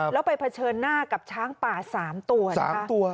แล้วไปเผชิญหน้ากับช้างป่า๓ตัวนะคะ